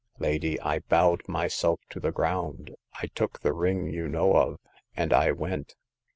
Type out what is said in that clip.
Lady, I bowed myself to the ground, I took the ring you know of, and I went.